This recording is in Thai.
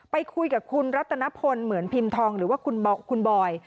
ไปคุยกับคุณรัตนพลเหมือนพิมพ์ทองหรือว่าคุณบอย